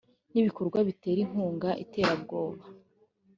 n ibikorwa bitera inkunga iterabwoba